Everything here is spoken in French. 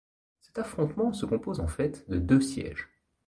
Cet affrontement se compose en fait de deux sièges.